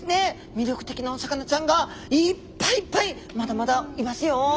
魅力的なお魚ちゃんがいっぱいいっぱいまだまだいますよ。